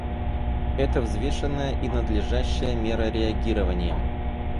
Это взвешенная и надлежащая мера реагирования.